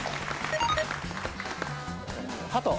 ハト。